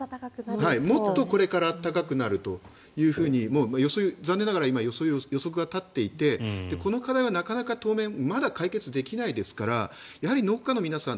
もっとこれから暖かくなるともう残念ながら予測が立っていてこの課題はなかなか当面まだ解決できないですからやはり農家の皆さん